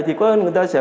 thì có thể người ta sẽ